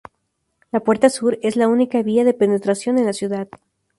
La puerta sur es la única vía de penetración en la ciudad.